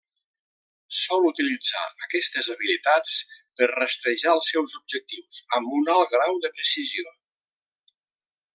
Sol utilitzar aquestes habilitats per rastrejar als seus objectius amb un alt grau de precisió.